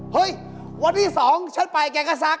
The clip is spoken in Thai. เฮ้ยวันที่๒ฉันไปแกก็ซัก